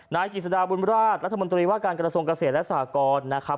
นายกฤษดาบุญวราชรัฐบนตรีวาการกฎศงเกษตรและสถาคร